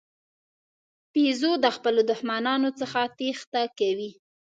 بیزو د خپلو دښمنانو څخه تېښته کوي.